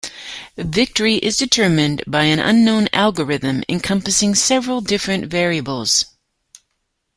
Victory is determined by an unknown algorithm encompassing several different variables.